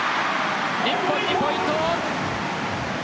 日本にポイント。